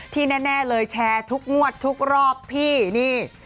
แน่เลยแชร์ทุกงวดทุกรอบพี่นี่